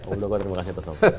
pak muldoko terima kasih atas waktu